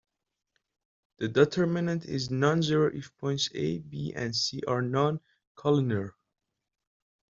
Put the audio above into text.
The determinant is non-zero if points A, B, and C are non-collinear.